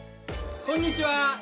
こんにちは。